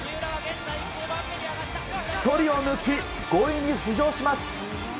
１人を抜き、５位に浮上します。